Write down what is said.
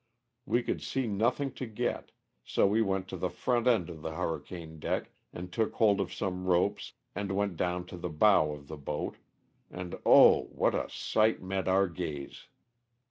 We could see nothing to get, so we went to the front end of the hurricane deck and took hold of some ropes and went down to the bow of jthe boat^ and 0, what a]sight met our gaze